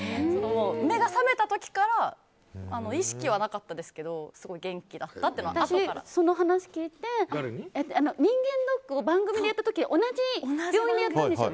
目が覚めた時から意識はなかったですけど私、その話を聞いて人間ドックを番組でやった時同じ病院でやったんですよ。